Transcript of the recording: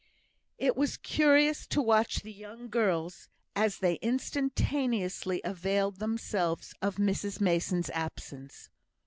It was curious to watch the young girls as they instantaneously availed themselves of Mrs Mason's absence.